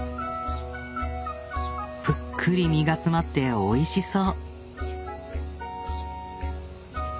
ぷっくり実が詰まっておいしそう。